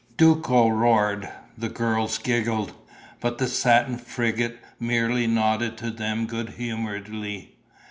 Duco roared, the girls giggled, but the Satin Frigate merely nodded to them good humouredly.